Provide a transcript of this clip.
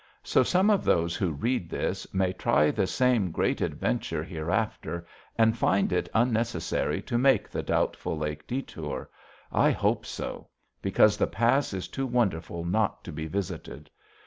So, some of those who read this may try the same great adventure hereafter and find it unnecessary to make the Doubtful Lake détour. I hope so. Because the pass is too wonderful not to be visited.